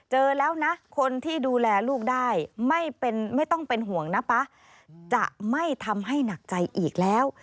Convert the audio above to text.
เจอแล้วนะคนที่ดูแลลูกได้ไม่ต้องเป็นห่วงนะป๊าจะไม่ทำให้หนักใจอีกแล้ว